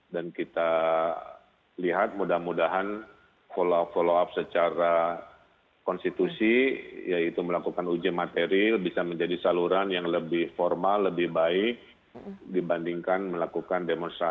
dan kita lihat mudah mudahan follow up follow up secara konstitusi yaitu melakukan ujian material bisa menjadi saluran yang lebih formal lebih baik dibandingkan melakukan demonstrasi